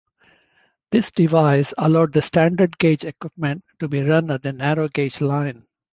This device allowed the standard-gauge equipment to be run on the narrow-gauge line.